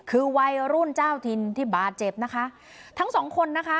คือวัยรุ่นเจ้าถิ่นที่บาดเจ็บนะคะทั้งสองคนนะคะ